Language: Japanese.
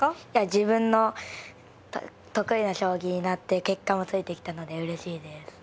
自分の得意な将棋になって結果もついてきたのでうれしいです。